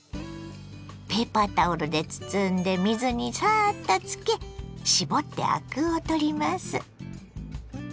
ペーパータオルで包んで水にサッとつけ絞ってアクを取ります。